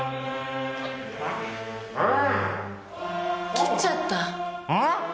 切っちゃった。